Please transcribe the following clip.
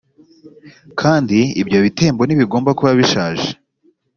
kandi ibyo bitembo ntibigomba kuba bishaje